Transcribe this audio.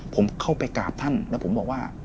ผมเข้าไปกราบท่านแล้วผมบอกว่า